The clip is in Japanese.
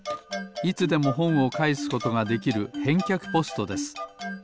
いつでもほんをかえすことができる返却ポストです。